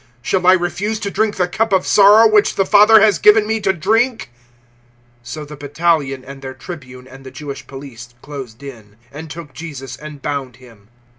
Shall I refuse to drink the cup of sorrow which the Father has given me to drink?" 018:012 So the battalion and their tribune and the Jewish police closed in, and took Jesus and bound Him.